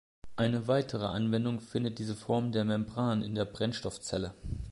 Eine weitere Anwendung findet diese Form der Membran in der Brennstoffzelle.